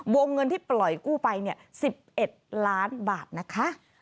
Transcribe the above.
วงเงินที่ปล่อยกู้ไป๑๑ล้านบาทนะคะ